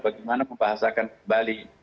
bagaimana membahasakan kembali